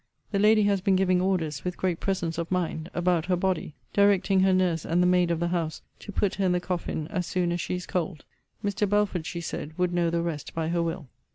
The lady has been giving orders, with great presence of mind, about her body! directing her nurse and the maid of the house to put her in the coffin as soon as she is cold. Mr. Belford, she said, would know the rest by her will.